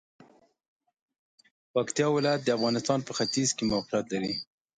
پکتیا ولایت د افغانستان په ختیځ کې موقعیت لري.